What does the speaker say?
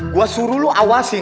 gue suruh lo awasin